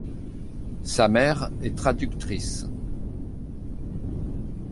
Sa mère est traductrice.